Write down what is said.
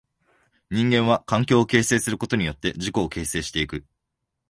人間は環境を形成することによって自己を形成してゆく。